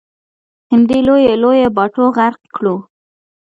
همدې لویو لویو باټو غرق کړو.